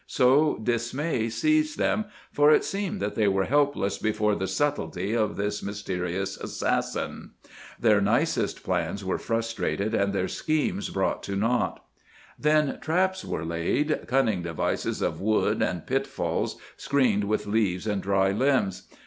So dismay seized them, for it seemed that they were helpless before the subtlety of this mysterious assassin. Their nicest plans were frustrated, and their schemes brought to naught. Then traps were laid, cunning devices of wood, and pitfalls, screened with leaves and dry limbs.